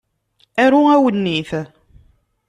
Aru awennit.